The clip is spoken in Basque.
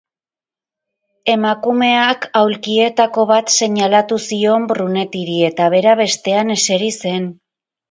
Emakumeak aulkietako bat seinalatu zion Brunettiri, eta bera bestean eseri zen.